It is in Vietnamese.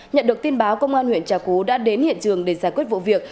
nhận được tin báo công an huyện trà cú đã đến hiện trường để giải quyết vụ việc